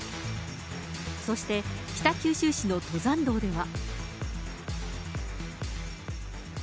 そして北九州市の登山道では。